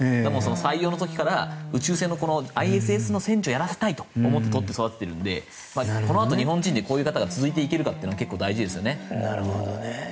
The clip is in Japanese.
採用の時から宇宙船のＩＳＳの船長をやらせたいと思って採ってるのでこのあと日本人でこういう方が続いていけるかというのが結構大事ですよね。